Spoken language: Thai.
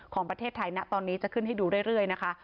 ของประเทศไทยณตอนนี้จะขึ้นให้ดูเรื่อยนะคะ